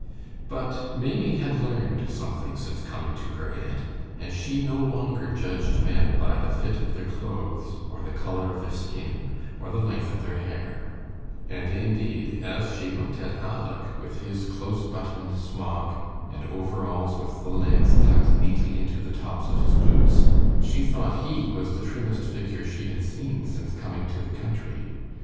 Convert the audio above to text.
But Maimie had learned something since coming to her aunt, and she no longer judged men by the fit of their clothes, or the color of their skin, or the length of their hair; and indeed, as she looked at Aleck, with his close buttoned smock, and overalls with the legs tucked neatly into the tops of his boots, she thought he was the trimmest figure she had seen since coming to the country.